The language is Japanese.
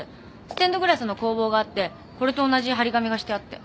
ステンドグラスの工房があってこれと同じはり紙がしてあって。